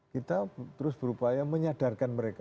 kita terus berupaya menyadarkan mereka